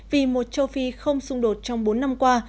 vì một châu phi không xung đột trong bốn năm qua